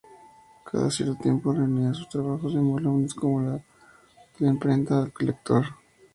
Cada cierto tiempo reunía sus trabajos en volúmenes como "De la imprenta al lector.